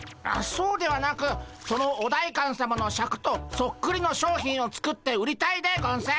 そうではなくそのお代官さまのシャクとそっくりの商品を作って売りたいでゴンス。